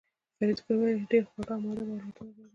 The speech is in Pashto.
فریدګل وویل چې ډېر خواږه او مودب اولادونه لرې